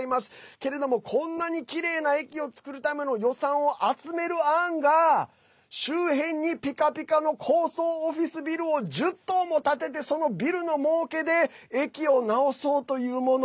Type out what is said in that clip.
けれども、こんなにきれいな駅を作るための予算を集める案が周辺にピカピカの高層オフィスビルを１０棟も立ててそのビルのもうけで駅を直そうというもの。